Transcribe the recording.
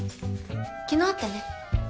昨日会ってね。